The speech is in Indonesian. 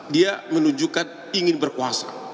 dia menunjukkan ingin berkuasa